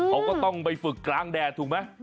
เขาก็ต้องไปฝึกกลางแดดถูกไหม